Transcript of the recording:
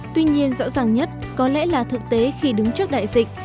tuy nhiên rõ ràng nhất có lẽ là thực tế khi đứng trước đại dịch